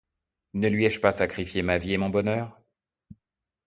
Ne lui ai-je pas sacrifié ma vie et mon bonheur?